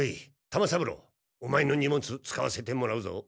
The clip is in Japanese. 玉三郎オマエの荷物使わせてもらうぞ。